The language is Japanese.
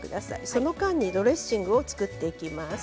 その間にドレッシングを作っていきます。